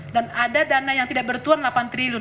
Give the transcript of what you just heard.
dan ada dana yang tidak bertuang delapan triliun